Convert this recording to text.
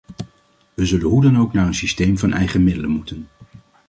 We zullen hoe dan ook naar een systeem van eigen middelen moeten.